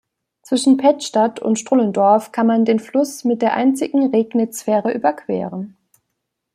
Zwischen Pettstadt und Strullendorf kann man den Fluss mit der einzigen Regnitz-Fähre überqueren.